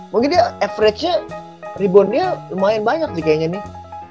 mungkin dia averagenya rebownnya lumayan banyak sih kayaknya nih